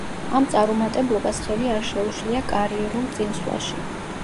ამ წარუმატებლობას ხელი არ შეუშლია კარიერულ წინსვლაში.